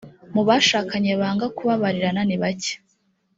mu bashakanye banga kubabarirana nibake.